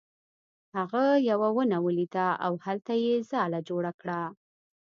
هغه یوه ونه ولیده او هلته یې ځاله جوړه کړه.